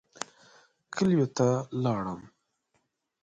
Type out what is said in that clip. کلیو ته لاړم.